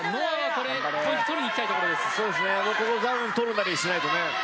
ここダウン取るなりしないとね。